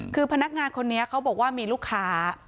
คือพนักงานคนนี้เขาบอกว่ามีลูกค้า